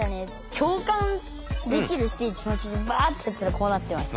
共感できるっていう気持ちにバってやったらこうなってました。